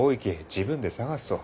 自分で探すと。